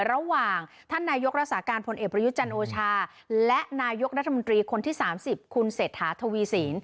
ระหว่างท่านนายกรักษาการพลเอกประยุจันทร์โอชาและนายกรัฐมนตรีคนที่๓๐คุณเศรษฐาทวีสิน